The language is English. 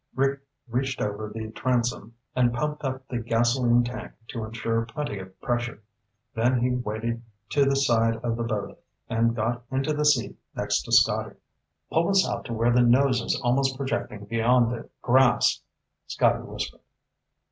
Rick reached over the transom and pumped up the gasoline tank to ensure plenty of pressure, then he waded to the side of the boat and got into the seat next to Scotty. "Pull us out to where the nose is almost projecting beyond the grass," Scotty whispered.